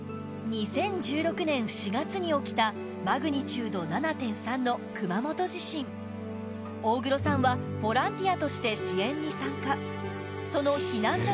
２０１６年４月に起きたマグニチュード７．３の熊本地震大黒さんはボランティアとして支援に参加